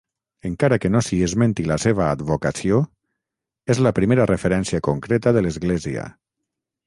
Encara que no s'hi esmenti la seva advocació, és la primera referència concreta de l'església.